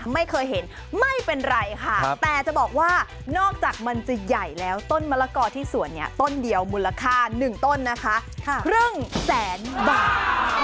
ไม่เคยเห็นไม่เป็นไรค่ะแต่จะบอกว่านอกจากมันจะใหญ่แล้วต้นมะละกอที่สวนเนี่ยต้นเดียวมูลค่า๑ต้นนะคะครึ่งแสนบาท